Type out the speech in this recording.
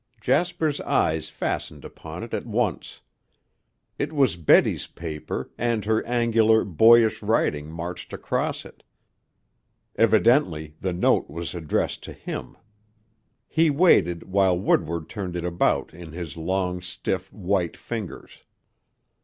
Jasper's eyes fastened upon it at once. It was Betty's paper and her angular, boyish writing marched across it. Evidently the note was addressed to him. He waited while Woodward turned it about in his long, stiff, white fingers.